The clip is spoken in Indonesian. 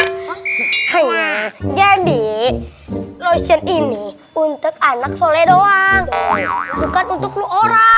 hahaha jadi lotion ini untuk anak sole doang bukan untuk nu orang